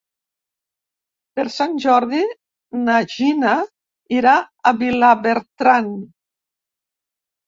Per Sant Jordi na Gina irà a Vilabertran.